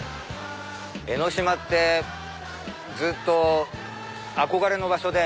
江の島ってずっと憧れの場所で。